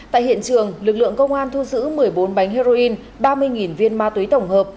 tại hiện trường lực lượng công an thu giữ một mươi bốn bánh heroin ba mươi viên ma túy tổng hợp